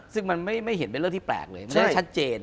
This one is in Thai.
ซึ่งมันไม่เห็นเป็นเรื่องที่แปลกเลยไม่ได้ชัดเจน